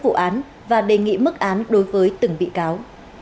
vụ án và đề nghị mức án đối với từng bị cáo